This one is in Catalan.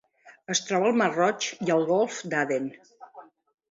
Es troba al Mar Roig i al Golf d'Aden.